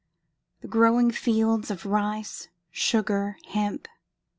the growing fields of rice, sugar, hemp!